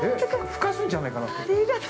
◆ふ化するんじゃないかな。